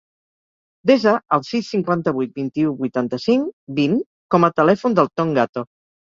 Desa el sis, cinquanta-vuit, vint-i-u, vuitanta-cinc, vint com a telèfon del Ton Gato.